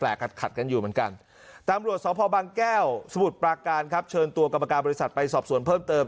แล้วสมุดปราการเชิญตัวกรรมการบริษัทไปสอบส่วนเพิ่มเติม